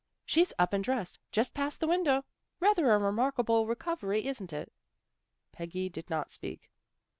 " She's up and dressed. Just passed the window. Rather a remarkable recovery, isn't it? " Peggy did not speak.